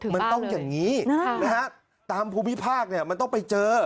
มันต้องอย่างนี้ตามภูมิภาคมันต้องไปเจอ